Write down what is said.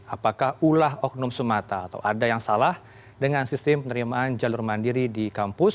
apakah ulah oknum semata atau ada yang salah dengan sistem penerimaan jalur mandiri di kampus